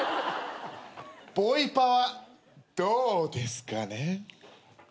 ボイパはどうですかね。